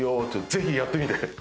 ぜひやってみて。